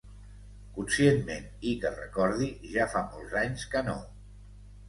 Conscientment i que recordi, ja fa molts anys que no.